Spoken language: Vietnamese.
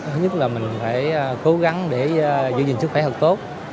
thứ nhất là mình phải cố gắng để giữ gìn sức khỏe thật tốt